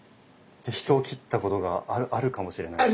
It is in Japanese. で人を斬ったことがあるかもしれない。